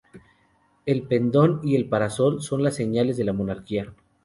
El pendón y el parasol son las señales de la monarquía.